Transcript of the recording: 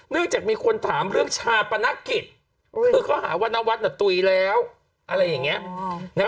เนื่องจากมีคนถามเรื่องชาปนักกิจเพราะเขาหาว่านวัดน่ะตุ๋ยแล้วอะไรอย่างเงี้ย